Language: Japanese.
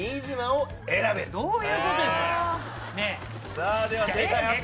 さあでは正解発表。